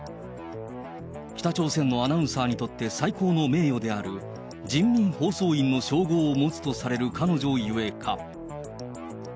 北朝鮮のアナウンサーにとって最高の名誉である人民放送員の称号を持つとされる彼女ゆえか。